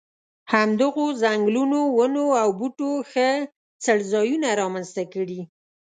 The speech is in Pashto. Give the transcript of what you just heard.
همدغو ځنګلونو ونو او بوټو ښه څړځایونه را منځته کړي.